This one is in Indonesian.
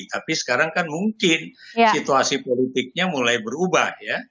tapi sekarang kan mungkin situasi politiknya mulai berubah ya